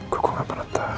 gue kok gak pernah tahu ya